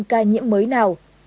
ca nhiễm mới nào